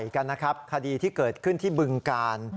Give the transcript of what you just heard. กันนะครับคดีที่เกิดขึ้นที่บึงกาล